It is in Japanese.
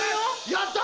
やった！